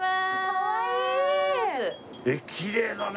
えっきれいだね！